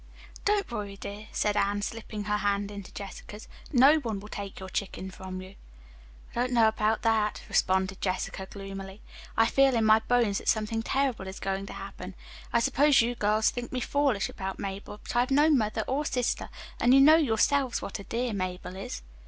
'" "Don't worry, dear," said Anne, slipping her hand into Jessica's. "No one will take your one chicken from you." "I don't know about that," responded Jessica gloomily. "I feel in my bones that something terrible is going to happen. I suppose you girls think me foolish about Mabel, but I've no mother or sister, and you know yourselves what a dear Mabel is."